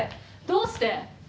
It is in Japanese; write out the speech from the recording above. どうして？